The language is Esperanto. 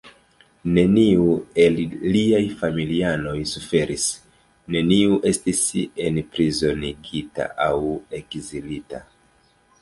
Neniu el liaj familianoj suferis; neniu estis enprizonigita aŭ ekzilita.